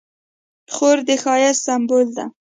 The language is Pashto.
خور د ښایست سمبول ده.